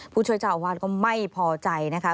ผู้ช่วยเจ้าอาวาสก็ไม่พอใจนะคะ